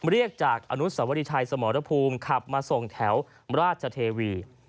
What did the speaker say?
เรียกจากอนุสวรีชัยสมรภูมิขับมาส่งแถวราชเทวี